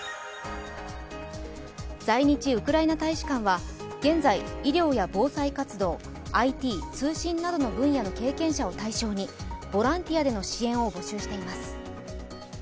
在日ウクライナ大使館は現在、医療や防災活動、ＩＴ、通信などの分野の経験者を対象にボランティアでの支援を募集しています。